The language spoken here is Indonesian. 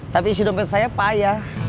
tapi si dompet saya payah